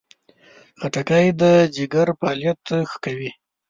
خټکی د ځیګر فعالیت ښه کوي.